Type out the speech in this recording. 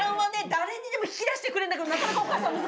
誰にでも引き出してくれるんだけどなかなかおかあさん難しかったですね。